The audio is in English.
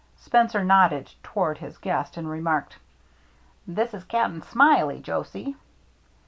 Spencer nodded toward his guest and remarked, "This is Cap'n Smiley, Josie."